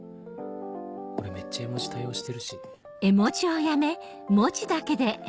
俺めっちゃ絵文字多用してるし。